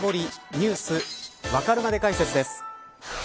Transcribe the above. Ｎｅｗｓわかるまで解説です。